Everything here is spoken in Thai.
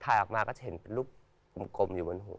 ออกมาก็จะเห็นเป็นลูกกลมอยู่บนหัว